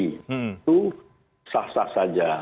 itu sah sah saja